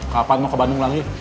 kapan mau ke bandung lagi